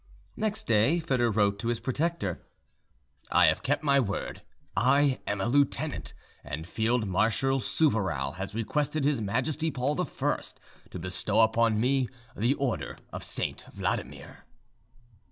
Next day Foedor wrote to his protector: "I have kept my word. I am a lieutenant, and Field Marshal Souvarow has requested his Majesty Paul I to bestow upon me the order of Saint Vladimir."